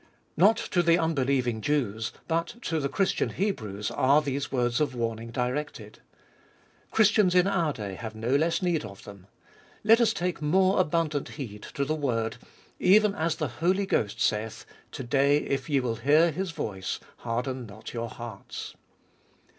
Not to the unbelieving Jews, but to the Christian Hebrews are these words of warning directed. Christians in our day have no less need of them. Let us take more abundant heed to the word : Even as the Holy Ghost saith, To day, if ye will hear His voice, harden not your hearts.